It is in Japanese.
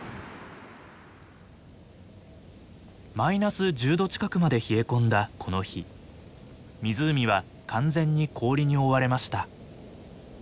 マイナス１０度近くまで冷え込んだこの日湖は完全に氷に覆われました。